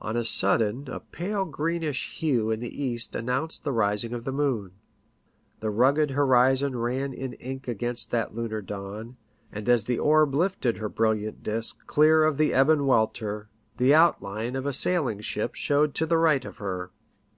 On a sudden a pale greenish hue in the east announced the rising of the moon. The rugged horizon ran in ink against that lunar dawn, and as the orb lifted her brilliant disk clear of the ebon welter, the outline of a sailing ship showed to the right of her.